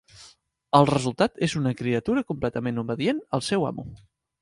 El resultat és una criatura completament obedient al seu amo.